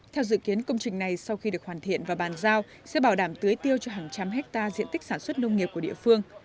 theo dự kiến công trình này sau khi được hoàn thiện và bàn giao sẽ bảo đảm tưới tiêu cho hàng trăm hectare diện tích sản xuất nông nghiệp của địa phương